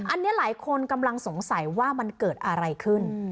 อันนี้หลายคนกำลังสงสัยว่ามันเกิดอะไรขึ้น